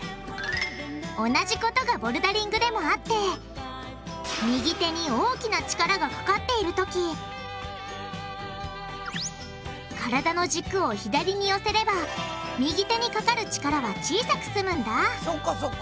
同じことがボルダリングでもあって右手に大きな力がかかっているとき体の軸を左に寄せれば右手にかかる力は小さく済むんだそうかそうか。